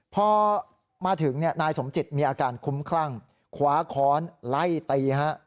พอมาถึงนายสมจิตมีอาการคุ้มคลั่งคว้าค้อนไล่ตีฮะ